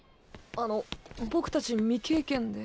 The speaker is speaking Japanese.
あの僕達未経験で。